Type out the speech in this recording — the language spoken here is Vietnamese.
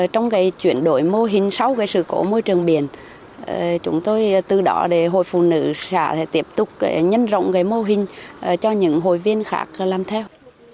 trong cái chuyển đổi mô hình sau cái sự cố môi trường biển chúng tôi từ đó để hội phụ nữ sẽ tiếp tục nhân rộng cái mô hình cho những hội viên khác làm theo